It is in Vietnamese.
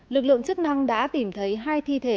lực lượng chức năng đã tìm thấy hai thi thể